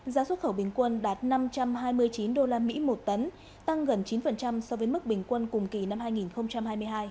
giá xuất khẩu bình quân đạt năm trăm hai mươi chín usd một tấn tăng gần chín so với mức bình quân cùng kỳ năm hai nghìn hai mươi hai